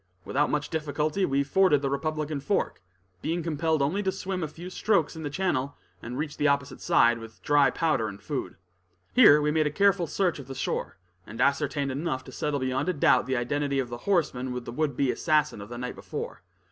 Without much difficulty we forded the Republican Fork, being compelled only to swim a few strokes in the channel, and reached the opposite side, with dry powder and food. Here we made a careful search of the shore, and ascertained enough to settle beyond a doubt the identity of the horseman with the would be assassin of the night before.